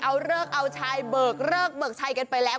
เอาเลิกเอาชัยเบิกเลิกเบิกชัยกันไปแล้ว